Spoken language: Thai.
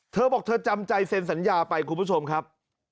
เธอบอกเธอจำใจเซ็นสัญญาไปคุณผู้ชมครับ